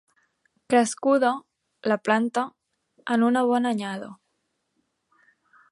Crescuda, la planta, en una bona anyada.